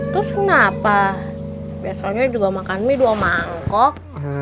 terus kenapa biasanya juga makan mie dua mangkok